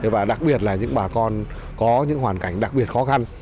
và đặc biệt là những bà con có những hoàn cảnh đặc biệt khó khăn